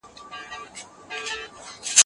زاړه نظرونه بيا ارزول کېږي.